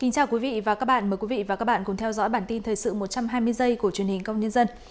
cảm ơn các bạn đã theo dõi và ủng hộ cho bản tin thời sự một trăm hai mươi giây của truyền hình công nhân dân